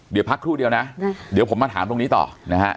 เดี๋ยวพักครู่เดียวนะเดี๋ยวผมมาถามตรงนี้ต่อนะฮะ